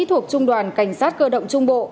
thuộc trung đoàn cảnh sát cơ động trung bộ